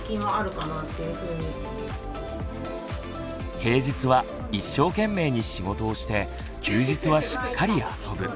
平日は一生懸命に仕事をして休日はしっかり遊ぶ。